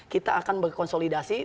kita akan berkonsolidasi